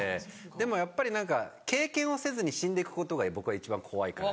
でもやっぱり何か経験をせずに死んでいくことが僕は一番怖いから。